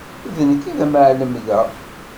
D nekk i d amεellem da.